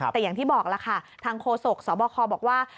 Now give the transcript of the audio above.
แต่อย่างที่บอกล่ะค่ะทางโฆษกสบคบอกว่า